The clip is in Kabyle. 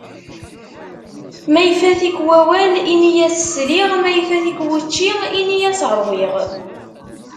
Ma ifat-ik wawal, ini-as sliɣ. Ma ifat-ik wučči, ini-as ṛwiɣ.